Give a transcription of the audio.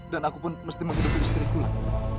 dan aku pun mesti menghidupi istriku lan